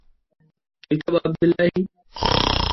Kin taɓa Abdullahi?